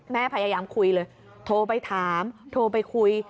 แม่พยายามคุยเลยโทรไปถามโทรไปคุย